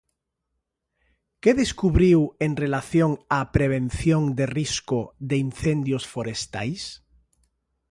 Que descubriu en relación á prevención de risco de incendios forestais?